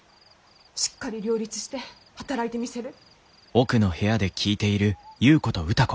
しっかり両立して働いてみせる。